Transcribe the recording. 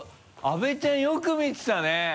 阿部ちゃんよく見てたね。